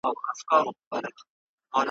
لا خبر نه یم چي تر یار که تر اغیاره ځمه ,